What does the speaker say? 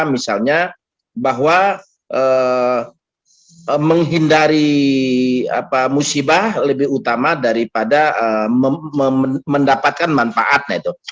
misalnya bahwa menghindari musibah lebih utama daripada mendapatkan manfaat